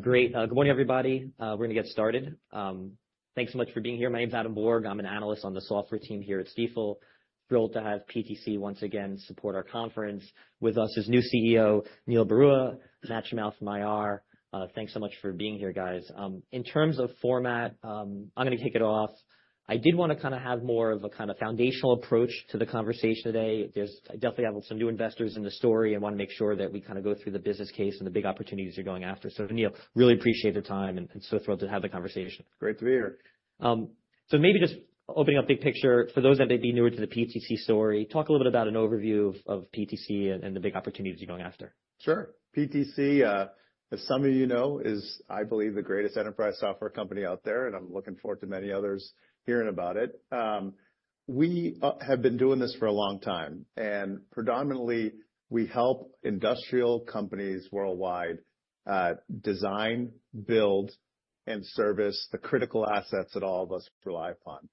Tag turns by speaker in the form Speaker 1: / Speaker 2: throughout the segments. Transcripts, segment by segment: Speaker 1: Great. Good morning, everybody. We're going to get started. Thanks so much for being here. My name is Adam Borg. I'm an analyst on the software team here at Stifel. Thrilled to have PTC once again support our conference. With us is new CEO Neil Barua, Matt Shimao from IR. Thanks so much for being here, guys. In terms of format, I'm going to kick it off. I did want to kind of have more of a kind of foundational approach to the conversation today. I definitely have some new investors in the story and want to make sure that we kind of go through the business case and the big opportunities you're going after. Neil, really appreciate the time and so thrilled to have the conversation.
Speaker 2: Great to be here.
Speaker 1: Maybe just opening up big picture for those that may be newer to the PTC story, talk a little bit about an overview of PTC and the big opportunities you're going after.
Speaker 2: Sure. PTC, as some of you know, is, I believe, the greatest enterprise software company out there, and I'm looking forward to many others hearing about it. We have been doing this for a long time, and predominantly we help industrial companies worldwide design, build, and service the critical assets that all of us rely upon.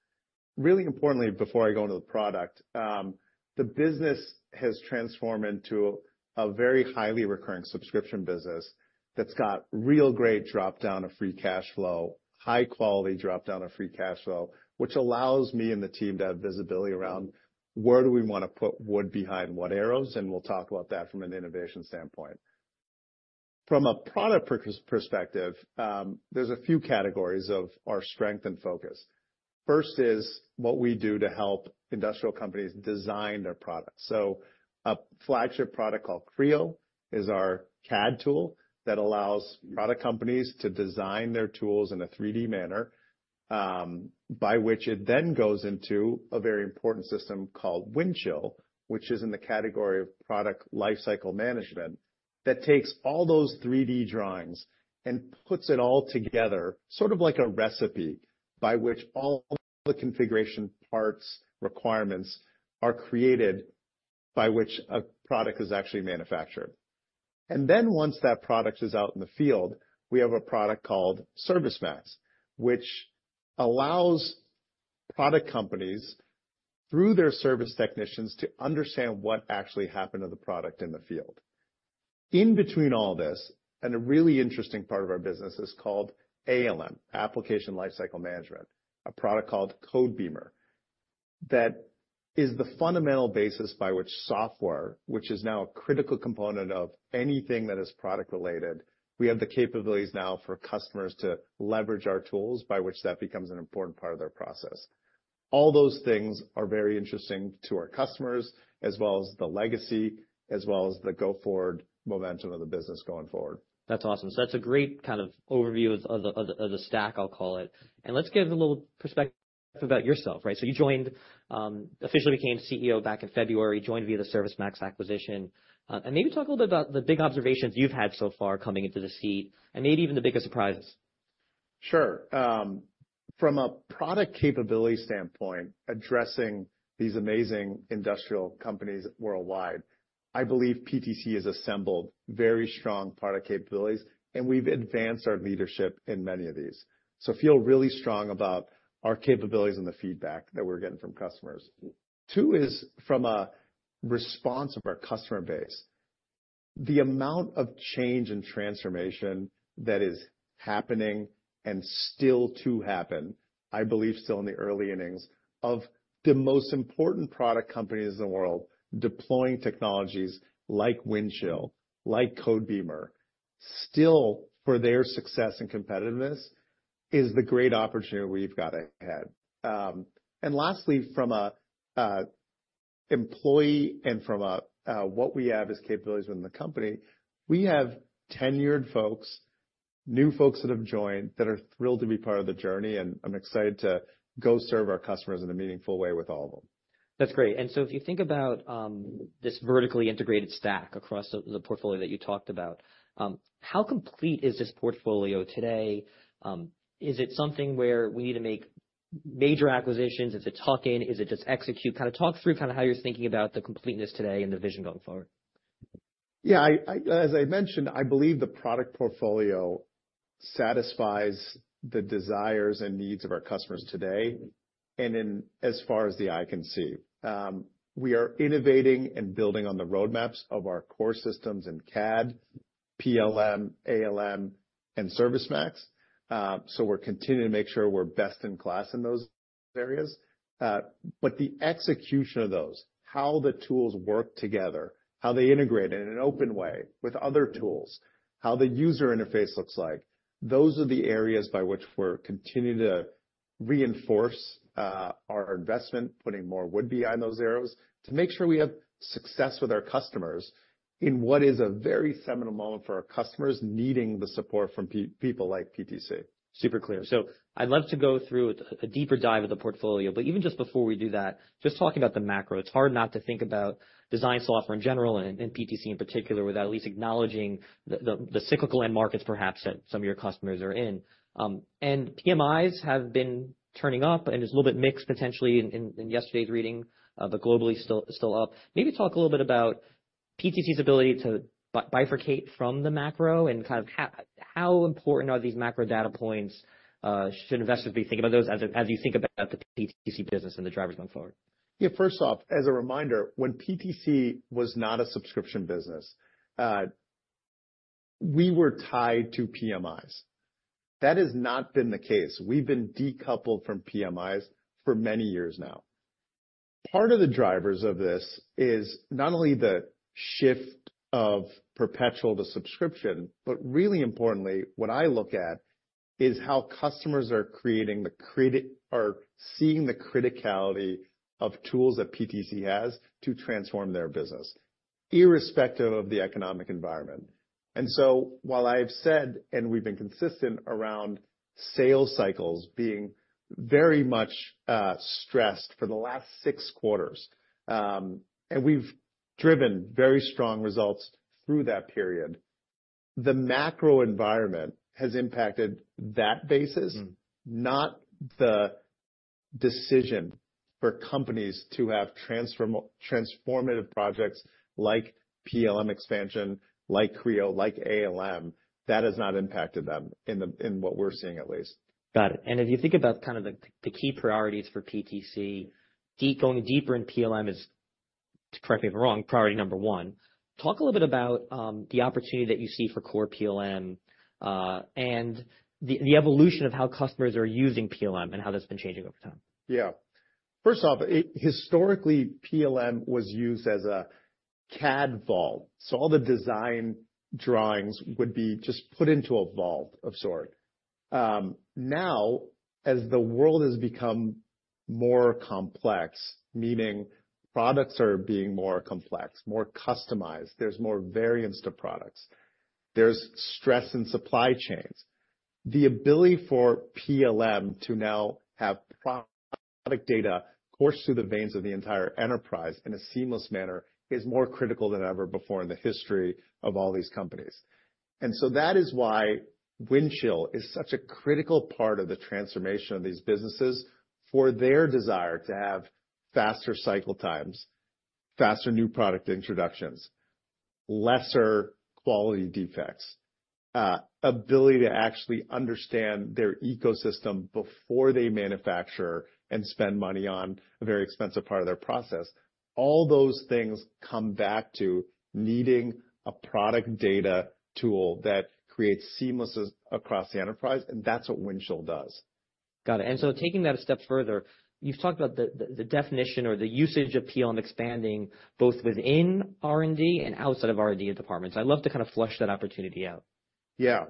Speaker 2: Really importantly, before I go into the product, the business has transformed into a very highly recurring subscription business that's got real great dropdown of free cash flow, high-quality dropdown of free cash flow, which allows me and the team to have visibility around where do we want to put wood behind what arrows, and we'll talk about that from an innovation standpoint. From a product perspective, there's a few categories of our strength and focus. First is what we do to help industrial companies design their products. A flagship product called Creo is our CAD tool that allows product companies to design their tools in a 3D manner, by which it then goes into a very important system called Windchill, which is in the category of product lifecycle management that takes all those 3D drawings and puts it all together, sort of like a recipe by which all the configuration parts requirements are created by which a product is actually manufactured. Once that product is out in the field, we have a product called ServiceMax, which allows product companies, through their service technicians, to understand what actually happened to the product in the field. In between all this, and a really interesting part of our business is called ALM, Application Lifecycle Management, a product called Codebeamer that is the fundamental basis by which software, which is now a critical component of anything that is product-related, we have the capabilities now for customers to leverage our tools by which that becomes an important part of their process. All those things are very interesting to our customers, as well as the legacy, as well as the go-forward momentum of the business going forward.
Speaker 1: That's awesome. That's a great kind of overview of the stack, I'll call it. Let's give a little perspective about yourself, right? You joined, officially became CEO back in February, joined via the ServiceMax acquisition. Maybe talk a little bit about the big observations you've had so far coming into the seat, and maybe even the biggest surprises.
Speaker 2: Sure. From a product capability standpoint, addressing these amazing industrial companies worldwide, I believe PTC has assembled very strong product capabilities, and we've advanced our leadership in many of these. I feel really strong about our capabilities and the feedback that we're getting from customers. Two is from a response of our customer base. The amount of change and transformation that is happening and still to happen, I believe still in the early innings of the most important product companies in the world deploying technologies like Windchill, like Codebeamer, still for their success and competitiveness is the great opportunity we've got ahead. Lastly, from an employee and from what we have as capabilities within the company, we have tenured folks, new folks that have joined that are thrilled to be part of the journey, and I'm excited to go serve our customers in a meaningful way with all of them.
Speaker 1: That's great. If you think about this vertically integrated stack across the portfolio that you talked about, how complete is this portfolio today? Is it something where we need to make major acquisitions? Is it talking? Is it just execute? Kind of talk through kind of how you're thinking about the completeness today and the vision going forward.
Speaker 2: Yeah, as I mentioned, I believe the product portfolio satisfies the desires and needs of our customers today. As far as the eye can see, we are innovating and building on the roadmaps of our core systems in CAD, PLM, ALM, and ServiceMax. We are continuing to make sure we are best in class in those areas. The execution of those, how the tools work together, how they integrate in an open way with other tools, how the user interface looks like, those are the areas by which we are continuing to reinforce our investment, putting more wood behind those arrows to make sure we have success with our customers in what is a very seminal moment for our customers needing the support from people like PTC.
Speaker 1: Super clear. I'd love to go through a deeper dive of the portfolio, but even just before we do that, just talking about the macro, it's hard not to think about design software in general and PTC in particular without at least acknowledging the cyclical end markets perhaps that some of your customers are in. PMIs have been turning up and is a little bit mixed potentially in yesterday's reading, but globally still up. Maybe talk a little bit about PTC's ability to bifurcate from the macro and kind of how important are these macro data points? Should investors be thinking about those as you think about the PTC business and the drivers going forward?
Speaker 2: Yeah, first off, as a reminder, when PTC was not a subscription business, we were tied to PMIs. That has not been the case. We've been decoupled from PMIs for many years now. Part of the drivers of this is not only the shift of perpetual to subscription, but really importantly, what I look at is how customers are creating the criticality of tools that PTC has to transform their business, irrespective of the economic environment. While I've said and we've been consistent around sales cycles being very much stressed for the last six quarters, and we've driven very strong results through that period, the macro environment has impacted that basis, not the decision for companies to have transformative projects like PLM expansion, like Creo, like ALM. That has not impacted them in what we're seeing at least.
Speaker 1: Got it. If you think about kind of the key priorities for PTC, going deeper in PLM is, to correct me if I'm wrong, priority number one. Talk a little bit about the opportunity that you see for core PLM and the evolution of how customers are using PLM and how that's been changing over time.
Speaker 2: Yeah. First off, historically, PLM was used as a CAD vault. So all the design drawings would be just put into a vault of sort. Now, as the world has become more complex, meaning products are being more complex, more customized, there is more variance to products, there is stress in supply chains. The ability for PLM to now have product data coursed through the veins of the entire enterprise in a seamless manner is more critical than ever before in the history of all these companies. That is why Windchill is such a critical part of the transformation of these businesses for their desire to have faster cycle times, faster new product introductions, lesser quality defects, ability to actually understand their ecosystem before they manufacture and spend money on a very expensive part of their process. All those things come back to needing a product data tool that creates seamlessness across the enterprise, and that's what Windchill does.
Speaker 1: Got it. Taking that a step further, you've talked about the definition or the usage of PLM expanding both within R&D and outside of R&D departments. I'd love to kind of flush that opportunity out.
Speaker 2: Yeah.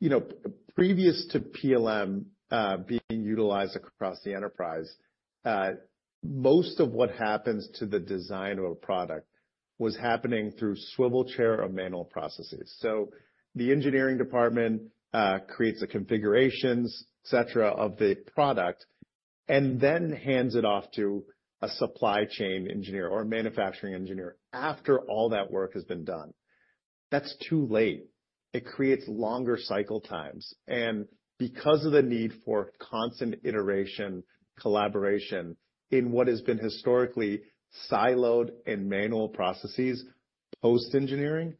Speaker 2: You know, previous to PLM being utilized across the enterprise, most of what happens to the design of a product was happening through swivel chair or manual processes. So the engineering department creates the configurations, et cetera, of the product, and then hands it off to a supply chain engineer or a manufacturing engineer after all that work has been done. That's too late. It creates longer cycle times. Because of the need for constant iteration, collaboration in what has been historically siloed and manual processes post-engineering,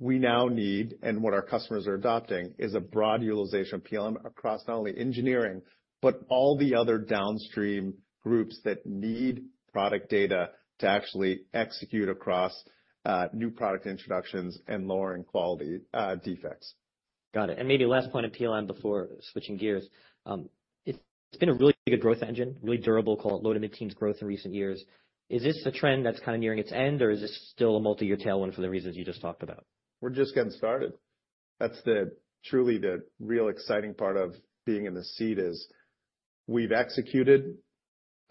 Speaker 2: we now need, and what our customers are adopting is a broad utilization of PLM across not only engineering, but all the other downstream groups that need product data to actually execute across new product introductions and lowering quality defects.
Speaker 1: Got it. Maybe last point on PLM before switching gears, it's been a really good growth engine, really durable, called low to mid-teens growth in recent years. Is this a trend that's kind of nearing its end, or is this still a multi-year tailwind for the reasons you just talked about?
Speaker 2: We're just getting started. That's truly the real exciting part of being in the seat is we've executed,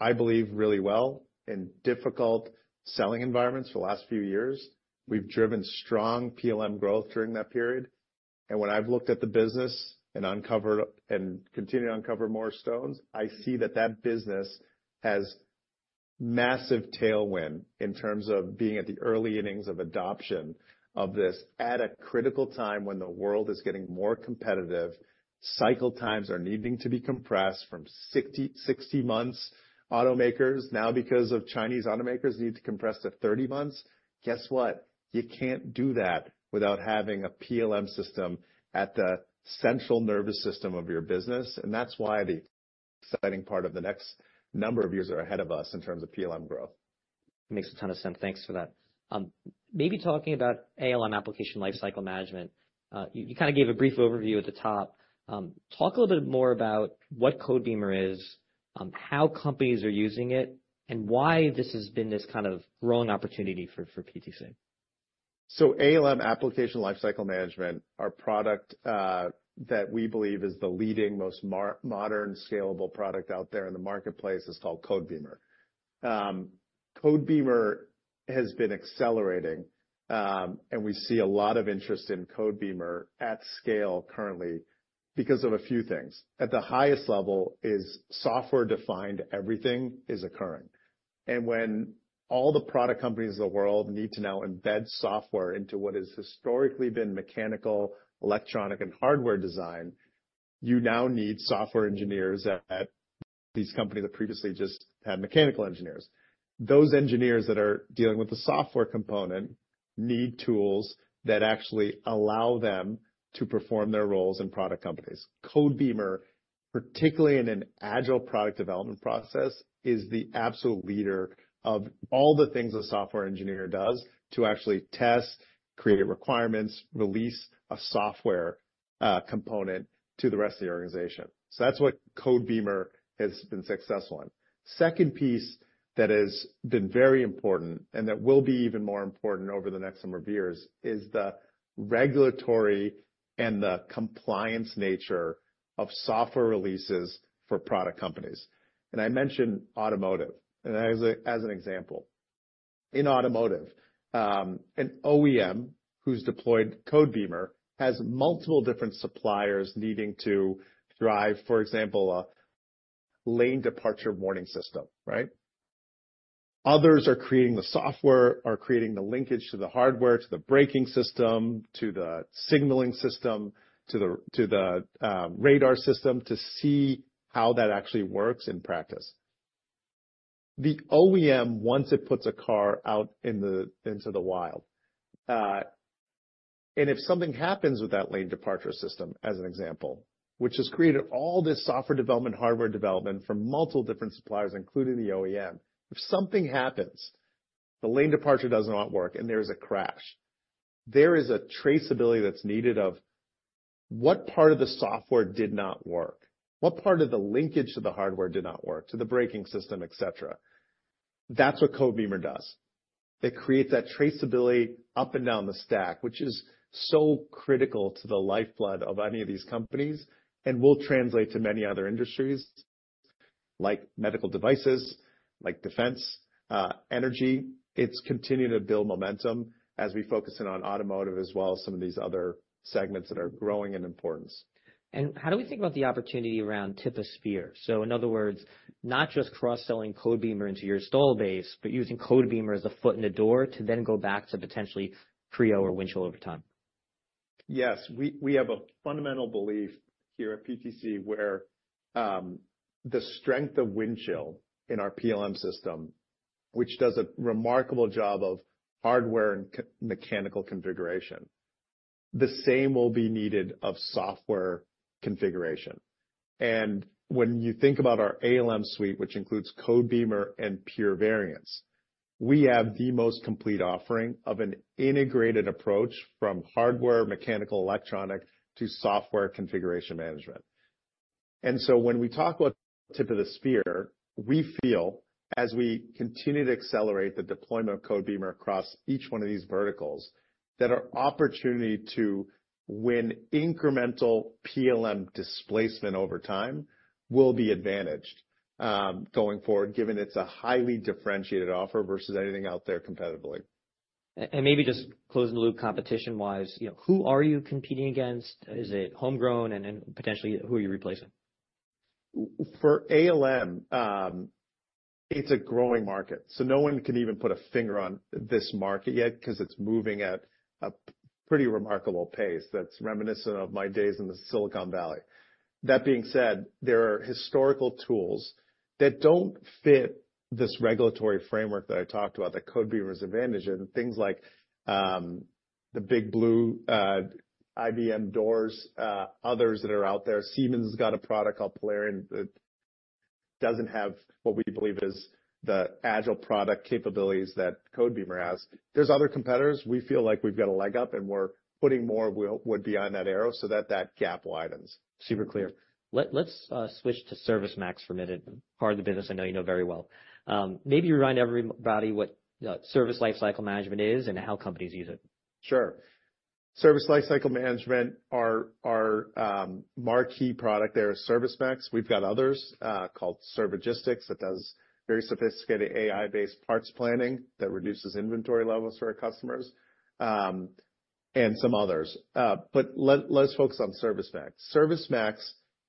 Speaker 2: I believe, really well in difficult selling environments for the last few years. We've driven strong PLM growth during that period. When I've looked at the business and uncovered and continued to uncover more stones, I see that that business has massive tailwind in terms of being at the early innings of adoption of this at a critical time when the world is getting more competitive. Cycle times are needing to be compressed from 60 months. Automakers now, because of Chinese automakers, need to compress to 30 months. Guess what? You can't do that without having a PLM system at the central nervous system of your business. That's why the exciting part of the next number of years are ahead of us in terms of PLM growth.
Speaker 1: Makes a ton of sense. Thanks for that. Maybe talking about ALM application lifecycle management, you kind of gave a brief overview at the top. Talk a little bit more about what Codebeamer is, how companies are using it, and why this has been this kind of growing opportunity for PTC.
Speaker 2: ALM application lifecycle management, our product that we believe is the leading, most modern, scalable product out there in the marketplace is called Codebeamer. Codebeamer has been accelerating, and we see a lot of interest in Codebeamer at scale currently because of a few things. At the highest level is software-defined everything is occurring. When all the product companies in the world need to now embed software into what has historically been mechanical, electronic, and hardware design, you now need software engineers at these companies that previously just had mechanical engineers. Those engineers that are dealing with the software component need tools that actually allow them to perform their roles in product companies. Codebeamer, particularly in an agile product development process, is the absolute leader of all the things a software engineer does to actually test, create requirements, release a software component to the rest of the organization. That is what Codebeamer has been successful in. The second piece that has been very important and that will be even more important over the next number of years is the regulatory and the compliance nature of software releases for product companies. I mentioned automotive as an example. In automotive, an OEM who has deployed Codebeamer has multiple different suppliers needing to drive, for example, a lane departure warning system, right? Others are creating the software, are creating the linkage to the hardware, to the braking system, to the signaling system, to the radar system to see how that actually works in practice. The OEM, once it puts a car out into the wild, and if something happens with that lane departure system, as an example, which has created all this software development, hardware development from multiple different suppliers, including the OEM, if something happens, the lane departure does not work and there is a crash, there is a traceability that's needed of what part of the software did not work, what part of the linkage to the hardware did not work, to the braking system, et cetera. That's what Codebeamer does. It creates that traceability up and down the stack, which is so critical to the lifeblood of any of these companies and will translate to many other industries like medical devices, like defense, energy. It's continuing to build momentum as we focus in on automotive as well as some of these other segments that are growing in importance.
Speaker 1: How do we think about the opportunity around tip of spear? In other words, not just cross-selling Codebeamer into your stall base, but using Codebeamer as a foot in the door to then go back to potentially Creo or Windchill over time.
Speaker 2: Yes, we have a fundamental belief here at PTC where the strength of Windchill in our PLM system, which does a remarkable job of hardware and mechanical configuration, the same will be needed of software configuration. When you think about our ALM suite, which includes Codebeamer and Pure Variants, we have the most complete offering of an integrated approach from hardware, mechanical, electronic to software configuration management. When we talk about tip of the spear, we feel as we continue to accelerate the deployment of Codebeamer across each one of these verticals that our opportunity to win incremental PLM displacement over time will be advantaged going forward, given it's a highly differentiated offer versus anything out there competitively.
Speaker 1: Maybe just closing the loop competition-wise, who are you competing against? Is it homegrown and potentially who are you replacing?
Speaker 2: For ALM, it's a growing market. No one can even put a finger on this market yet because it's moving at a pretty remarkable pace that's reminiscent of my days in the Silicon Valley. That being said, there are historical tools that don't fit this regulatory framework that I talked about that Codebeamer is advantaged in, things like the big blue IBM DOORS, others that are out there. Siemens has got a product called Polarion that doesn't have what we believe is the agile product capabilities that Codebeamer has. There's other competitors. We feel like we've got a leg up and we're putting more wood behind that arrow so that that gap widens.
Speaker 1: Super clear. Let's switch to ServiceMax for a minute. Part of the business, I know you know very well. Maybe you remind everybody what Service Lifecycle Management is and how companies use it.
Speaker 2: Sure. Service Lifecycle Management, our marquee product there is ServiceMax. We've got others called Servigistics that does very sophisticated AI-based parts planning that reduces inventory levels for our customers and some others. Let's focus on ServiceMax. ServiceMax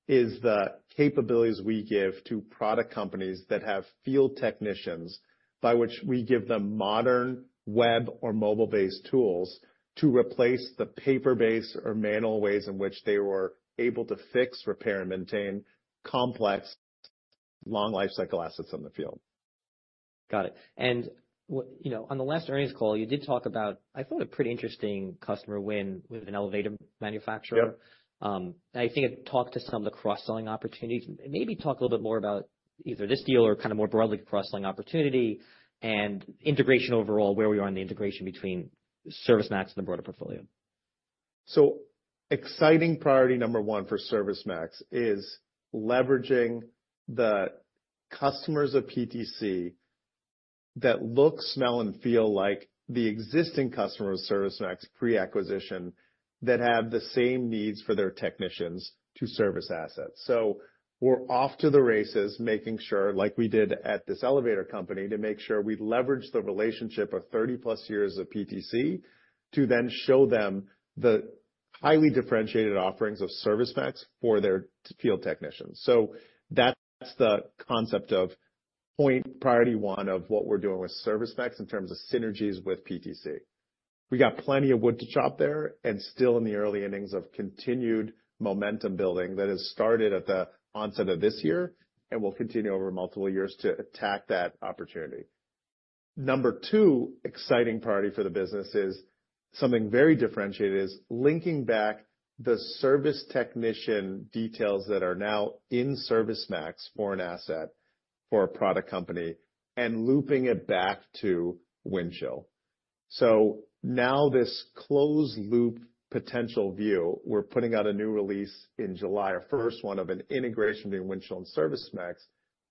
Speaker 2: is the capabilities we give to product companies that have field technicians by which we give them modern web or mobile-based tools to replace the paper-based or manual ways in which they were able to fix, repair, and maintain complex, long lifecycle assets in the field.
Speaker 1: Got it. On the last earnings call, you did talk about, I thought, a pretty interesting customer win with an elevator manufacturer. I think it talked to some of the cross-selling opportunities. Maybe talk a little bit more about either this deal or kind of more broadly cross-selling opportunity and integration overall, where we are in the integration between ServiceMax and the broader portfolio.
Speaker 2: Exciting priority number one for ServiceMax is leveraging the customers of PTC that look, smell, and feel like the existing customers of ServiceMax pre-acquisition that have the same needs for their technicians to service assets. We are off to the races making sure, like we did at this elevator company, to make sure we leverage the relationship of 30+ years of PTC to then show them the highly differentiated offerings of ServiceMax for their field technicians. That is the concept of point priority one of what we are doing with ServiceMax in terms of synergies with PTC. We have plenty of wood to chop there and are still in the early innings of continued momentum building that started at the onset of this year and will continue over multiple years to attack that opportunity. Number two, exciting priority for the business is something very differentiated, is linking back the service technician details that are now in ServiceMax for an asset for a product company and looping it back to Windchill. Now this closed loop potential view, we're putting out a new release in July or first one of an integration between Windchill and ServiceMax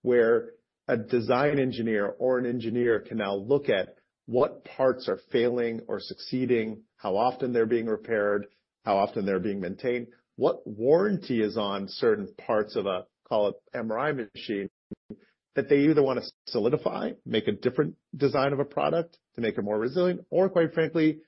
Speaker 2: where a design engineer or an engineer can now look at what parts are failing or succeeding, how often they're being repaired, how often they're being maintained, what warranty is on certain parts of a, call it MRI machine that they either want to solidify, make a different design of a product to make it more resilient, or quite frankly,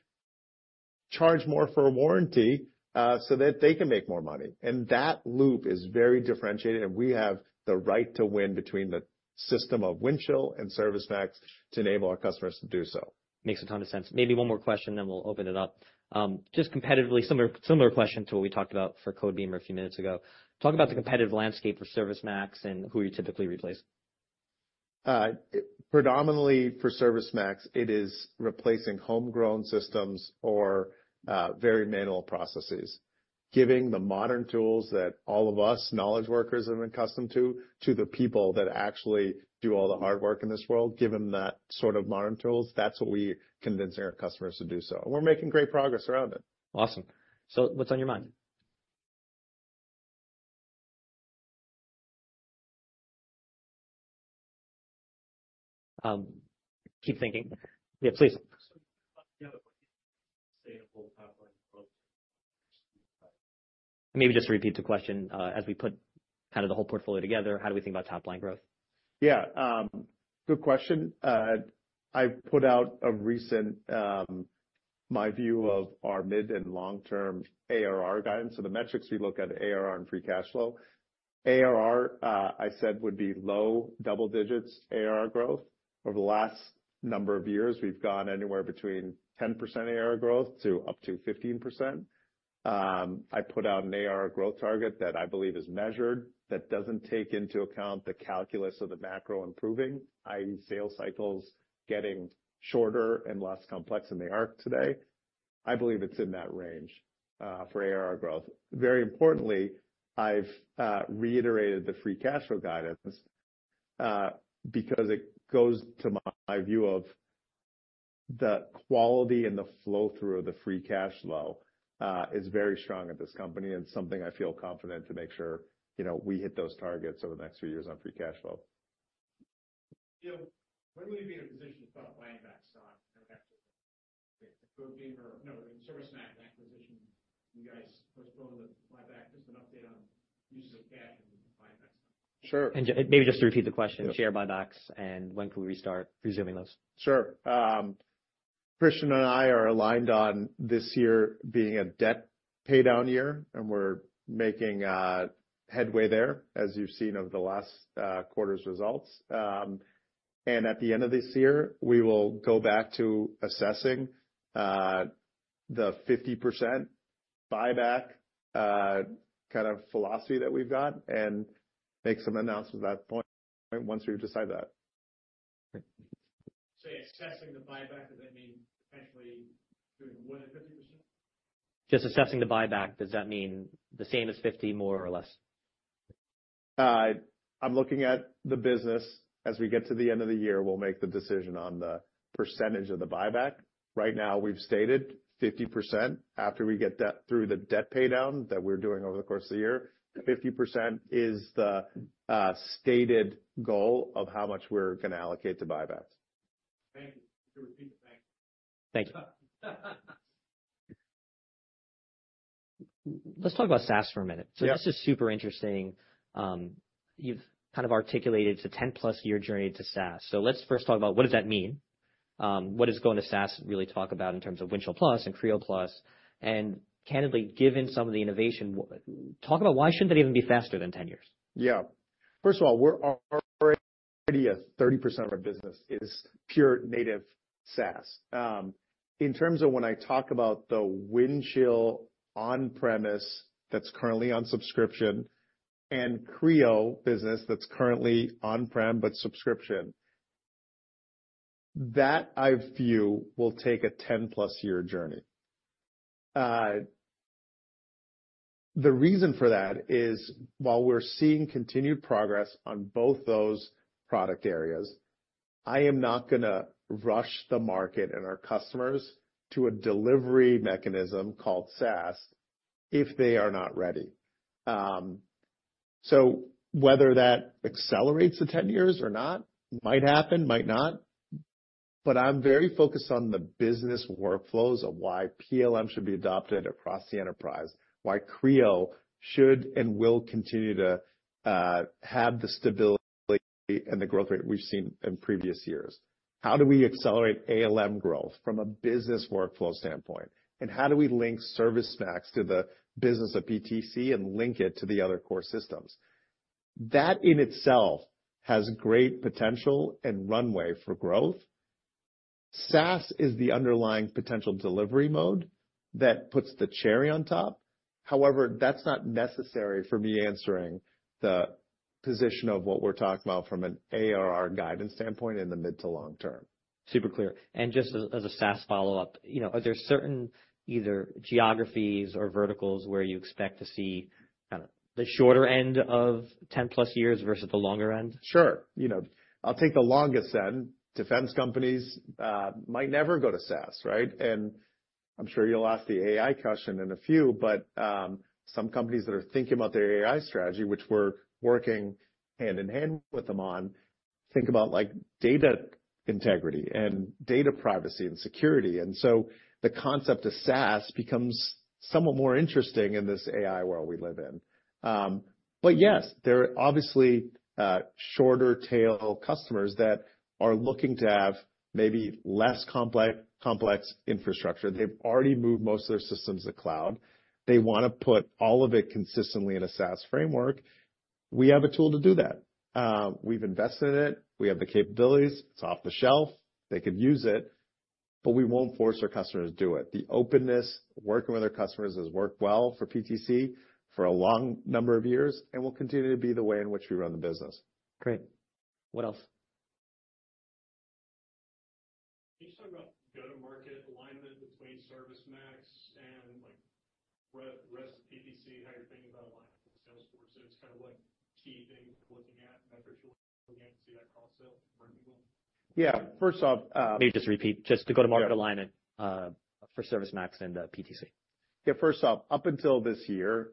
Speaker 2: charge more for a warranty so that they can make more money. That loop is very differentiated, and we have the right to win between the system of Windchill and ServiceMax to enable our customers to do so.
Speaker 1: Makes a ton of sense. Maybe one more question, then we'll open it up. Just competitively, similar question to what we talked about for Codebeamer a few minutes ago. Talk about the competitive landscape for ServiceMax and who you typically replace.
Speaker 2: Predominantly for ServiceMax, it is replacing homegrown systems or very manual processes, giving the modern tools that all of us knowledge workers have been accustomed to, to the people that actually do all the hard work in this world, give them that sort of modern tools. That is what we are convincing our customers to do so. We are making great progress around it.
Speaker 1: Awesome. What's on your mind? Keep thinking. Yeah, please. Maybe just to repeat the question, as we put kind of the whole portfolio together, how do we think about top-line growth?
Speaker 2: Yeah, good question. I put out a recent my view of our mid and long-term ARR guidance. So the metrics we look at, ARR and free cash flow. ARR, I said, would be low double-digits ARR growth. Over the last number of years, we've gone anywhere between 10% ARR growth to up to 15%. I put out an ARR growth target that I believe is measured that doesn't take into account the calculus of the macro improving, i.e., sales cycles getting shorter and less complex in the arc today. I believe it's in that range for ARR growth. Very importantly, I've reiterated the free cash flow guidance because it goes to my view of the quality and the flow through of the free cash flow is very strong at this company and something I feel confident to make sure we hit those targets over the next few years on free cash flow.
Speaker 3: When will you be in a position to stop buying back stock? ServiceMax acquisition, you guys postpone the buyback, just an update on uses of cash and buying back stock.
Speaker 2: Sure.
Speaker 1: Maybe just to repeat the question, share buybacks and when can we restart resuming those?
Speaker 2: Sure. Christian and I are aligned on this year being a debt-paydown year, and we are making headway there, as you have seen over the last quarter's results. At the end of this year, we will go back to assessing the 50% buyback kind of philosophy that we have got and make some announcements at that point once we have decided that.
Speaker 3: Assessing the buyback, does that mean potentially doing more than 50%?
Speaker 1: Just assessing the buyback, does that mean the same as 50%, more or less?
Speaker 2: I'm looking at the business. As we get to the end of the year, we'll make the decision on the percentage of the buyback. Right now, we've stated 50% after we get through the debt paydown that we're doing over the course of the year. 50% is the stated goal of how much we're going to allocate to buybacks.
Speaker 3: Thank you. Thank you.
Speaker 1: Let's talk about SaaS for a minute. This is super interesting. You've kind of articulated it's a 10+ year journey to SaaS. Let's first talk about what does that mean? What is going to SaaS really talk about in terms of Windchill+ and Creo+? Candidly, given some of the innovation, talk about why shouldn't it even be faster than 10 years?
Speaker 2: Yeah. First of all, we're already at 30% of our business is pure native SaaS. In terms of when I talk about the Windchill on-premise that's currently on subscription and Creo business that's currently on-prem but subscription, that I view will take a 10+ year journey. The reason for that is while we're seeing continued progress on both those product areas, I am not going to rush the market and our customers to a delivery mechanism called SaaS if they are not ready. Whether that accelerates the 10 years or not might happen, might not, but I'm very focused on the business workflows of why PLM should be adopted across the enterprise, why Creo should and will continue to have the stability and the growth rate we've seen in previous years. How do we accelerate ALM growth from a business workflow standpoint? How do we link ServiceMax to the business of PTC and link it to the other core systems? That in itself has great potential and runway for growth. SaaS is the underlying potential delivery mode that puts the cherry on top. However, that's not necessary for me answering the position of what we're talking about from an ARR guidance standpoint in the mid to long-term.
Speaker 1: Super clear. Just as a SaaS follow-up, are there certain either geographies or verticals where you expect to see kind of the shorter end of 10+ years versus the longer end?
Speaker 2: Sure. I'll take the longest end. Defense companies might never go to SaaS, right? I'm sure you'll ask the AI question in a few, but some companies that are thinking about their AI strategy, which we're working hand in hand with them on, think about data integrity and data privacy and security. The concept of SaaS becomes somewhat more interesting in this AI world we live in. Yes, there are obviously shorter-tail customers that are looking to have maybe less complex infrastructure. They've already moved most of their systems to cloud. They want to put all of it consistently in a SaaS framework. We have a tool to do that. We've invested in it. We have the capabilities. It's off the shelf. They can use it, but we won't force our customers to do it. The openness, working with our customers has worked well for PTC for a long number of years and will continue to be the way in which we run the business.
Speaker 1: Great. What else?
Speaker 3: Can you talk about go-to-market alignment between ServiceMax and the rest of PTC, how you're thinking about alignment with Salesforce? It's kind of like key things looking at, metrics you're looking at to see that cross-sale working well?
Speaker 2: Yeah. First off.
Speaker 1: Maybe just to repeat, just the go-to-market alignment for ServiceMax and PTC.
Speaker 2: Yeah. First off, up until this year,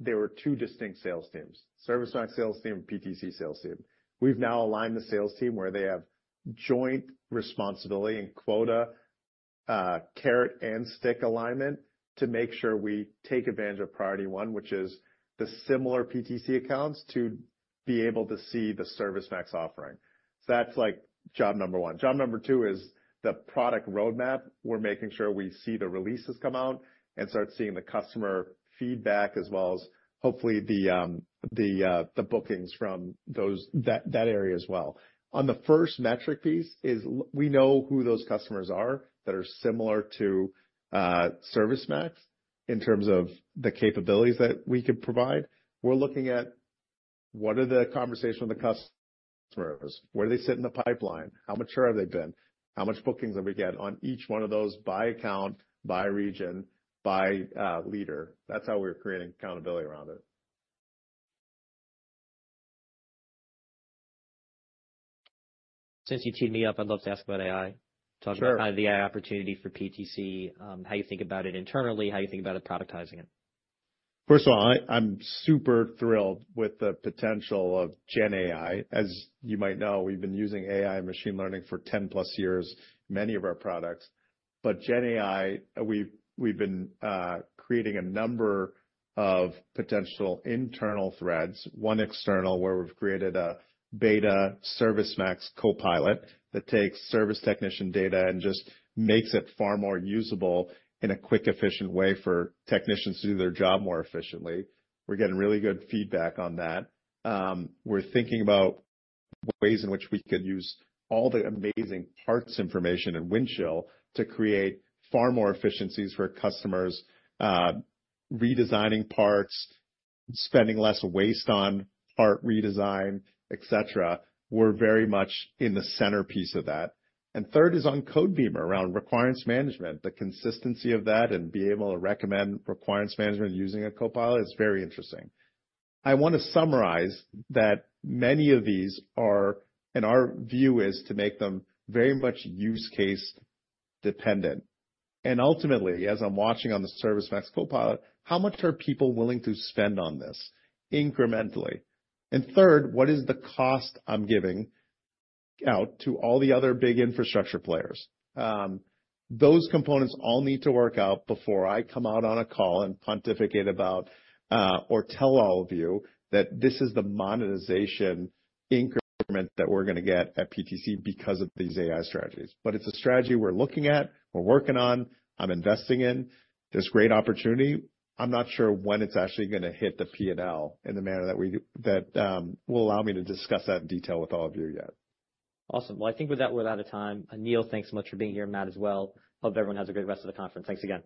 Speaker 2: there were two distinct sales teams, ServiceMax sales team and PTC sales team. We've now aligned the sales team where they have joint responsibility and quota, carrot, and stick alignment to make sure we take advantage of priority one, which is the similar PTC accounts to be able to see the ServiceMax offering. That's like job number one. Job number two is the product roadmap. We're making sure we see the releases come out and start seeing the customer feedback as well as hopefully the bookings from that area as well. On the first metric piece is we know who those customers are that are similar to ServiceMax in terms of the capabilities that we could provide. We're looking at what are the conversations with the customers? Where do they sit in the pipeline? How mature have they been? How much bookings have we got on each one of those by account, by region, by leader? That's how we're creating accountability around it.
Speaker 1: Since you teed me up, I'd love to ask about AI. Talk about kind of the AI opportunity for PTC, how you think about it internally, how you think about productizing it.
Speaker 2: First of all, I'm super thrilled with the potential of GenAI. As you might know, we've been using AI and machine learning for 10-plus years, many of our products. GenAI, we've been creating a number of potential internal threads, one external where we've created a beta ServiceMax Copilot that takes service technician data and just makes it far more usable in a quick, efficient way for technicians to do their job more efficiently. We're getting really good feedback on that. We're thinking about ways in which we could use all the amazing parts information in Windchill to create far more efficiencies for customers, redesigning parts, spending less waste on part redesign, et cetera. We are very much in the centerpiece of that. Third is on Codebeamer around requirements management. The consistency of that and being able to recommend requirements management using a Copilot is very interesting. I want to summarize that many of these are, and our view is to make them very much use case dependent. Ultimately, as I'm watching on the ServiceMax Copilot, how much are people willing to spend on this incrementally? Third, what is the cost I'm giving out to all the other big infrastructure players? Those components all need to work out before I come out on a call and pontificate about or tell all of you that this is the monetization increment that we're going to get at PTC because of these AI strategies. It's a strategy we're looking at, we're working on, I'm investing in. There's great opportunity. I'm not sure when it's actually going to hit the P&L in the manner that will allow me to discuss that in detail with all of you yet.
Speaker 1: Awesome. I think we're out of time. Neil, thanks so much for being here, Matt as well. Hope everyone has a great rest of the conference. Thanks again.